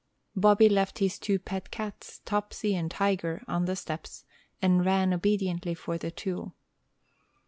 Bobby left his two pet cats, Topsy and Tiger, on the steps, and ran obediently for the tool.